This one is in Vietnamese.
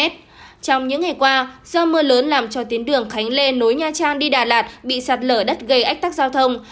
trong những ngày qua do mưa lớn làm cho tuyến đường khánh lê nối nha trang đi đà lạt bị sạt lở đất gây ách tắc giao thông